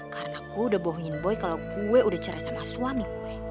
karena gue udah bohongin boy kalo gue udah cerai sama suami gue